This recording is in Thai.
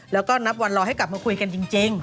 แล้วก็นับวันรอให้กลับมาคุยกันจริง